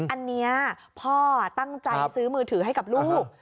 อันนี้พ่อตั้งใจซื้อมือถือให้กับลูก